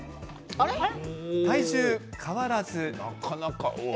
体重変わらず。